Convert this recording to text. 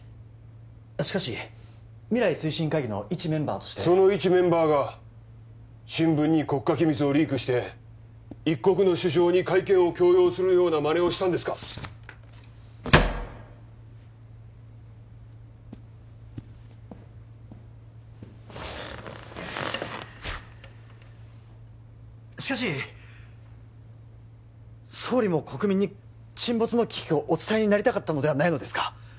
しかし未来推進会議のいちメンバーとしてそのいちメンバーが新聞に国家機密をリークして一国の首相に会見を強要するようなまねをしたんですかしかし総理も国民に沈没の危機をお伝えになりたかったのではないのですか？